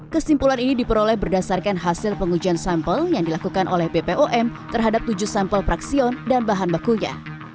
kesimpulan ini diperoleh berdasarkan hasil pengujian sampel yang dilakukan oleh bpom terhadap tujuh sampel praksion dan bahan bakunya